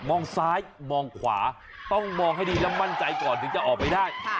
มองซ้ายมองขวาต้องมองให้ดีและมั่นใจก่อนถึงจะออกไปได้